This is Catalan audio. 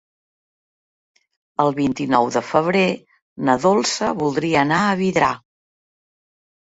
El vint-i-nou de febrer na Dolça voldria anar a Vidrà.